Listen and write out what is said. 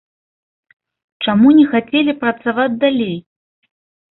Чаму не хацелі працаваць далей?